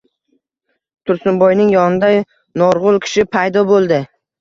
Tursunboyning yonida norg‘ul kishi paydo bo‘ldi.